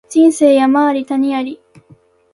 人生山あり谷あり